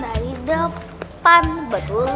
dari depan betul